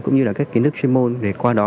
cũng như là các kiến thức chuyên môn để qua đó